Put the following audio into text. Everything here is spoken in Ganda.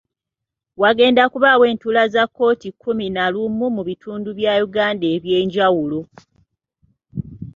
Wagenda kubaawo entuula za kkooti kkumi na lumu mu bitundu bya Uganda eby'enjawulo.